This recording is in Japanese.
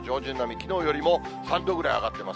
きのうよりも３度ぐらい上がってます。